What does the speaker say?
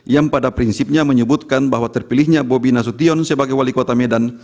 yang pada prinsipnya menyebutkan bahwa terpilihnya bobi nasution sebagai wali kota medan